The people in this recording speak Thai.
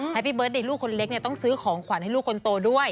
ให้พี่เบิร์ตเด็กลูกคนเล็กต้องซื้อของขวัญให้ลูกคนโตด้วย